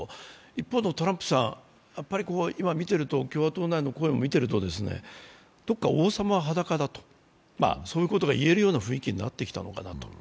一方のトランプさん、今、共和党内の声を見ていると、どこか、王様は裸だと言えるような雰囲気になってきたのかなと。